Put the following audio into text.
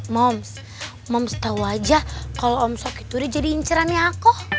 moms moms tau aja kalau om sok itu udah jadi incerannya aku